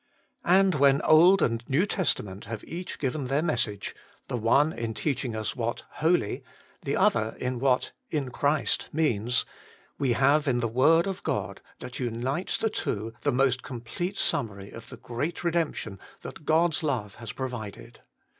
And when Old and New Testament have each given their message, the one in teaching us what Holy, the other what in Christ means, we have in the word of God, that unites the two, the most complete summary of the Great Eedemption that God's love has provided.